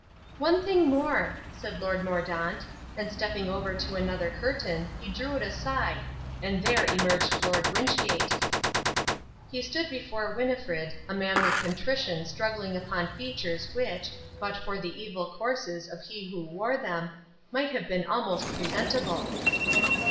"One thing more," said Lord Mordaunt, and stepping over to another curtain he drew it aside and there emerged Lord Wynchgate. He stood before Winnifred, a manly contrition struggling upon features which, but for the evil courses of he who wore them, might have been almost presentable.